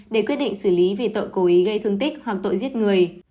để quyết định xử lý vì tội cố ý gây thương tích hoặc tội giết người